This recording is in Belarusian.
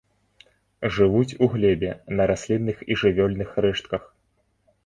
Жывуць у глебе, на раслінных і жывёльных рэштках.